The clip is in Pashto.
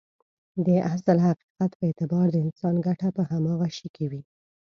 د اصل حقيقت په اعتبار د انسان ګټه په هماغه شي کې وي.